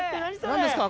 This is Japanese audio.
何ですか？